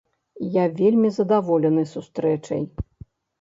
Я вельмі задаволены сустрэчай.